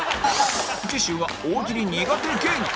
次週は大喜利苦手芸人